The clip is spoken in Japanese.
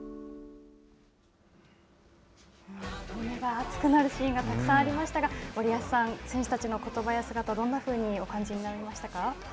熱くなるシーンがたくさんありましたが森保さん、選手たちのことばや姿どんなふうにお感じになりましたか。